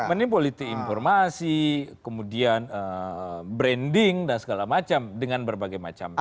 manipulasi informasi kemudian branding dan segala macam dengan berbagai macam cara